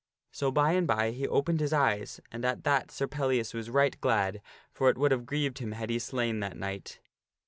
So by and by he opened his eyes, and at that Sir Pellias was right glad, for it would have grieved him had he slain that knight.